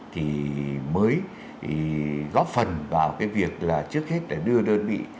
thì mới góp phần vào cái việc là trước hết để đưa đơn vị